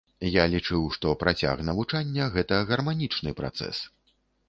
Я лічыў, што працяг навучання гэта гарманічны працэс.